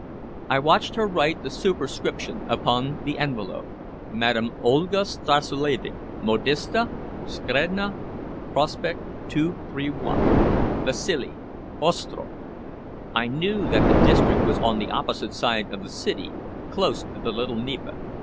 I watched her write the superscription upon the envelope: "Madame Olga Stassulevitch, modiste, Scredni Prospect, 231, Vasili Ostroff." I knew that the district was on the opposite side of the city, close to the Little Neva.